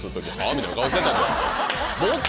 みたいな顔してた。